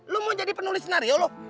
lu mau jadi penulis senario lu